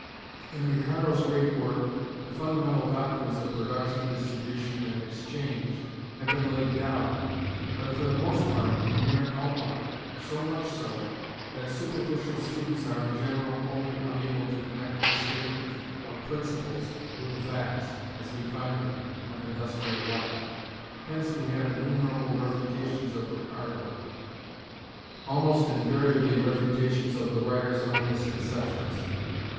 In Ricardo's great work, the fundamental doctrines of production, distribution, and exchange have been laid down, but for the most part in mere outline; so much so, that superficial students are in general wholly unable to connect his statement of principles with the facts, as we find them, of industrial life. Hence we have innumerable "refutations of Ricardo," almost invariably refutations of the writers' own misconceptions.